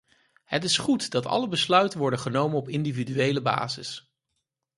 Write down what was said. Het is goed dat alle besluiten worden genomen op individuele basis.